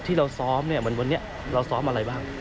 ที่เราซ้อมเนี่ยเราซ้อมอะไรบ้าง